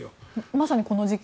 まさにこの時期。